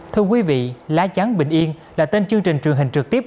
thưa quý vị lá trắng bình yên là tên chương trình truyền hình trực tiếp